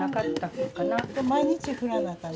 これ毎日振らなあかん。